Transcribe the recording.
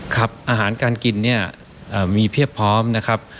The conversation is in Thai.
ครับอาหารการกินเนี่ยมีเพียบพร้อมนะครับ